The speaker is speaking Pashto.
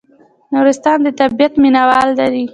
نورستان د طبیعت مینه وال لري